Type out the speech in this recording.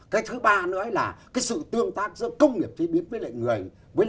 cái thứ ba nữa là cái sự tương tác giữa công nghiệp chế biến với lại người